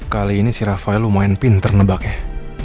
kali ini si rafael lumayan pinter nebaknya